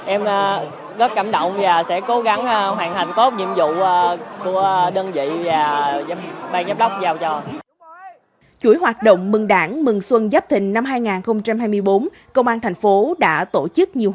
em rất cảm động và sẽ cố gắng hoàn thành tốt nhiệm vụ